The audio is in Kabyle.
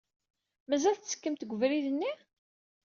Mazal tettekkemt seg ubrid-nni?